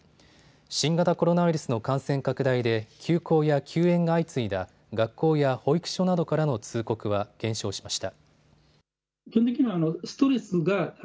新型コロナウイルスの感染拡大で休校や休園が相次いだ学校や保育所などからの通告は減少しました。